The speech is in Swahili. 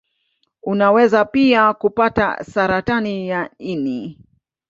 Unaweza pia kupata saratani ya ini.